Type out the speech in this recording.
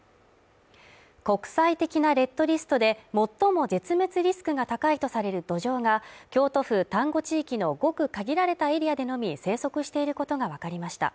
国際的なレッドリストで最も絶滅リスクが高いとされるドジョウが京都府丹後地域のごく限られたエリアでのみ生息していることがわかりました。